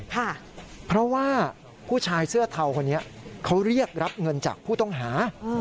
เพราะว่าผู้ชายเสื้อเทาคนนี้เขาเรียกรับเงินจากผู้ต้องหา